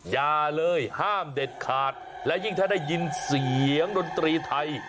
อย่าเลยห้ามเด็ดขาดและยิ่งถ้าได้ยินเสียงดนตรีไทย